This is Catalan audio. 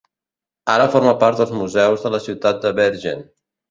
Ara forma part dels Museus de la ciutat de Bergen.